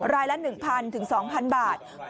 รายละ๑๐๐๒๐๐บาท